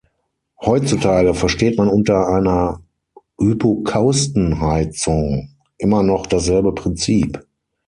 Heutzutage versteht man unter einer Hypokaustenheizung immer noch dasselbe Prinzip.